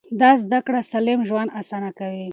دا زده کړه سالم ژوند اسانه کوي.